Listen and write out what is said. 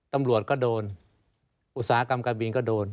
ตำรวจก็โดนอุตสาหกรรมการบินก็โดน